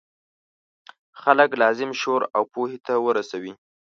خلک لازم شعور او پوهې ته ورسوي.